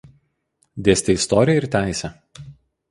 Dėstė istoriją ir teisę.